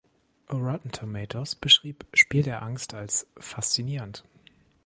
Rotten Tomatoes beschrieb „Spiel der Angst“ als „faszinierend“.